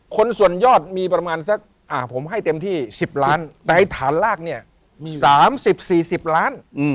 คนส่วนยอดมีประมาณสักผมให้เต็มที่๑๐ล้านแต่ไอ้ฐานลากเนี่ย๓๐๔๐ล้าน